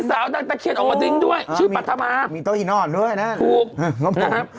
พี่สาวนางตะเคียนออกมาดิ้งด้วยชื่อปัธมามีแบบนเราแล้วครับ